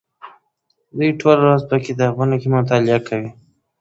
دوی ټوله ورځ په کتابتون کې مطالعه کوله.